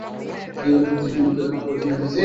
জীবনের প্রতি মুহূর্তেই তোমার পরিবর্তন হইতেছে।